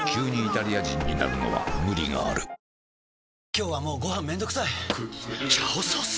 今日はもうご飯めんどくさい「炒ソース」！？